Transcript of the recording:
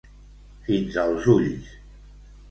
Fins als ulls.